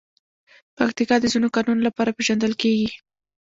پکتیکا د ځینو کانونو لپاره پېژندل کېږي.